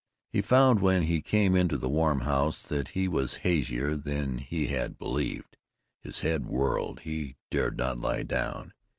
He found when he came into the warm house that he was hazier than he had believed. His head whirled. He dared not lie down.